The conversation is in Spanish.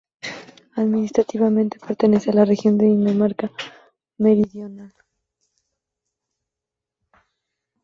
Administrativamente pertenece a la región de Dinamarca Meridional.